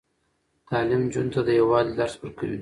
تعلیم نجونو ته د یووالي درس ورکوي.